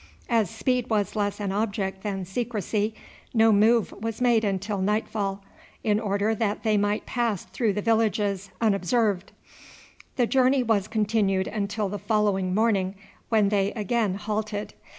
As speed was less an object than secrecy no move was made until nightfall, in order that they might pass through the villages unobserved. The journey was continued until the following morning, when they again halted.